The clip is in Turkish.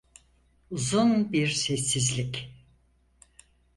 Uzun bir sessizlik...